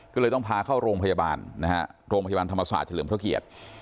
ก็เลยต้องพาเข้าโรงพยาบาลนะฮะโรงพยาบาลธรรมศาสตร์เฉลิมพระเกียรติ